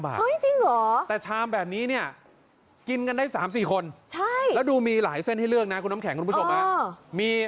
๑๗๙บาทแต่ชามแบบนี้เนี่ยกินกันได้๓๔คนแล้วดูมีหลายเส้นให้เลือกนะคุณน้ำแข็งคุณผู้ชม